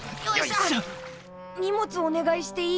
荷物お願いしていい？